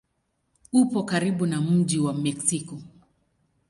Upo karibu na mji wa Meksiko.